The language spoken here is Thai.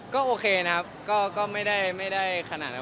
ก็โอเคนะครับก็ไม่ได้ขนาดนั้น